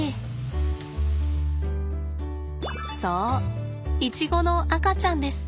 そうイチゴの赤ちゃんです。